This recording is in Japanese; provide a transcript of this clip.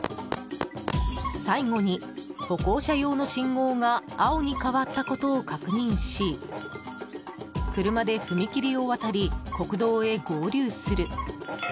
最後に、歩行者用の信号が青に変わったことを確認し車で踏切を渡り国道へ合流する。